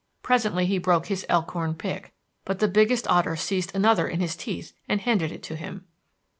Presently he broke his elkhorn pick, but the biggest otter seized another in his teeth and handed it to him.